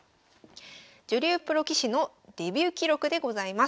女流プロ棋士のデビュー記録でございます。